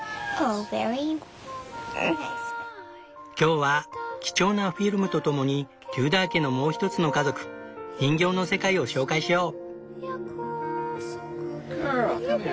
今日は貴重なフィルムと共にテューダー家のもうひとつの家族人形の世界を紹介しよう。